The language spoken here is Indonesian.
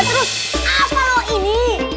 nih kak aswini